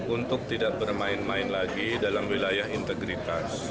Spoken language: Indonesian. untuk tidak bermain main lagi dalam wilayah integritas